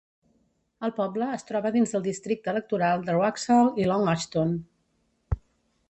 El poble es troba dins del districte electoral de Wraxall i Long Ashton.